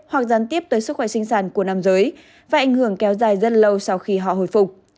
hoặc gián tiếp tới sức khỏe sinh sản của nam giới và ảnh hưởng kéo dài rất lâu sau khi họ hồi phục